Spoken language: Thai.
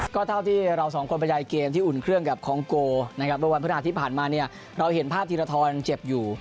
ก็เท่าที่เราสองคนบรรยายเกมที่อุ่นเครื่องกับคองโกนะครับเมื่อวันพฤนาที่ผ่านมาเนี่ยเราเห็นภาพธีรทรเจ็บอยู่